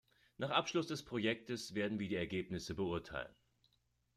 Nach Abschluss des Projektes werden wir die Ergebnisse beurteilen.